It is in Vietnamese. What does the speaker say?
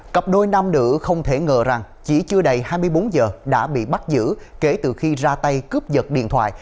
cặp đôi nam nữ không thể ngờ rằng chỉ chưa đầy hai mươi bốn giờ đã bị bắt giữ kể từ khi ra tay cướp giật điện thoại